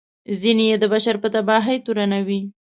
ځینې یې د بشر په تباهي تورنوي.